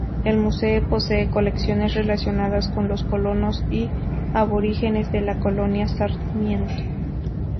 El museo posee colecciones relacionadas con los colonos y aborígenes de la Colonia Sarmiento.